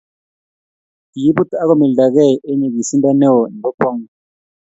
kiibut ago mildagei eng nyikisindo neo nebo kwanguut